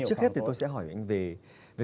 trước hết thì tôi sẽ hỏi anh về